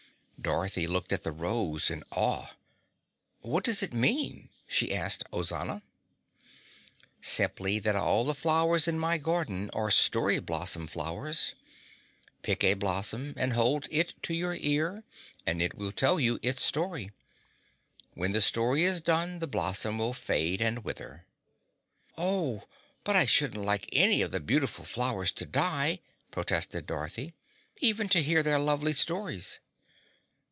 Dorothy looked at the rose in awe. "What does it mean?" she asked Ozana. "Simply that all the flowers in my garden are Story Blossom Flowers. Pick a blossom and hold it to your ear, and it will tell you its story. When the story is done, the blossom will fade and wither." "Oh, but I shouldn't like any of the beautiful flowers to die," protested Dorothy, "even to hear their lovely stories."